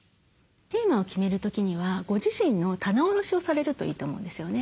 テーマを決める時にはご自身の棚卸しをされるといいと思うんですよね。